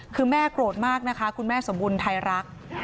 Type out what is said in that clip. คือแม่โกรธมากนะคะคุณแม่สมบูรณ์ไทยรัก